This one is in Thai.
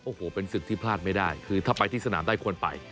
โอ้โหเป็นศึกที่พลาดไม่ได้คือถ้าไปที่สนามได้ควรไป